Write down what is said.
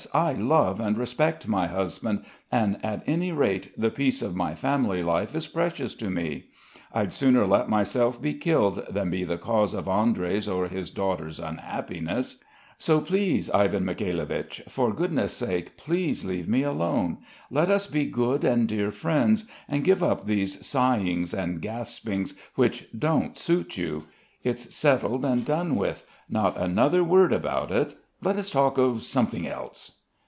I love and respect my husband and at any rate the peace of my family life is precious to me. I'd sooner let myself be killed than be the cause of Andrey's or his daughter's unhappiness. So, please, Ivan Mikhailovich, for goodness' sake, leave me alone. Let us be good and dear friends, and give up these sighings and gaspings which don't suit you. It's settled and done with! Not another word about it. Let us talk of something else!"